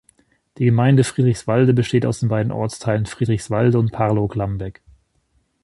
Die Gemeinde Friedrichswalde besteht aus den beiden Ortsteilen Friedrichswalde und Parlow-Glambeck.